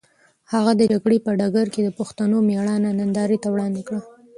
هغه د جګړې په ډګر کې د پښتنو مېړانه نندارې ته وړاندې کړه.